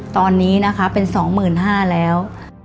ตอนนี้นะคะเป็นสองหมื่นห้าแล้ว